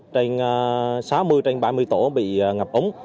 sáu mươi trên ba mươi tổ bị ngập ống